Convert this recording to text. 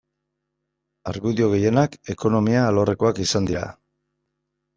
Argudio gehienak ekonomia alorrekoak izan dira.